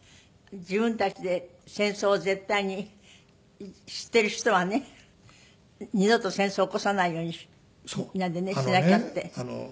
自分たちで戦争を絶対に知ってる人はね二度と戦争を起こさないようにしなきゃって。